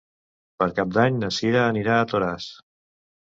Per Cap d'Any na Cira anirà a Toràs.